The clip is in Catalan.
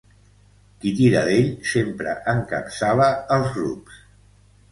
Qui tira d'ell sempre encapçala els grups.